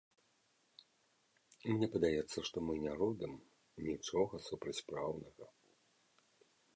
Мне падаецца, што мы не робім нічога супрацьпраўнага.